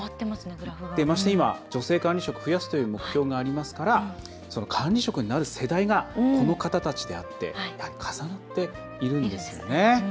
まして今、女性管理職増やすという目標がありますからその管理職になる世代がこの方たちであって重なっているんですね。